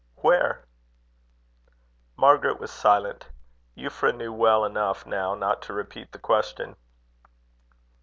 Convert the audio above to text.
"Where?" Margaret was silent. Euphra knew her well enough now not to repeat the question.